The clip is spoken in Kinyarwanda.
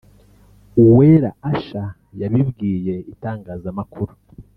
Uwera Asha yabibwiye itangazamakuru